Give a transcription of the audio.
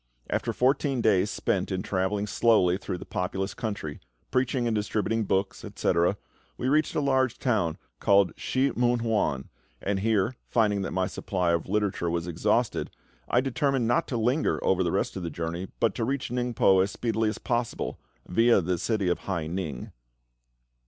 After fourteen days spent in travelling slowly through the populous country, preaching and distributing books, etc., we reached a large town called Shih mun wan, and here, finding that my supply of literature was exhausted, I determined not to linger over the rest of the journey, but to reach Ningpo as speedily as possible, viâ the city of Hai ning.